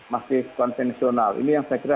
masih konvensional ini yang saya kira